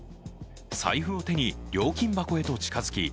財布を手に料金箱へと近づき